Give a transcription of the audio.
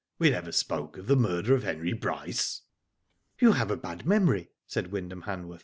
'* We never spoke of the murder of Henry Bryce." *^ You have a bad memory," said Wyndham Hanworth.